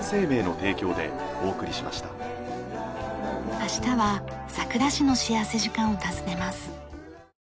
明日は佐倉市の幸福時間を訪ねます。